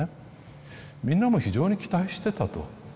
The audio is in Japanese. みんなも非常に期待してたと。